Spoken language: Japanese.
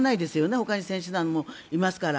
ほかに選手団もいますから。